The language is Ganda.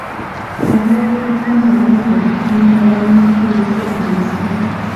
Yaweereddwa amagezi okugenda bamukyuse omusaayi.